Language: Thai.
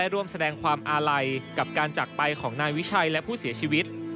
ร่วมแสดงความอาลัยกับการจักรไปของนายวิชัยและผู้เสียชีวิต